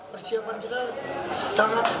persiapan kita sangat baik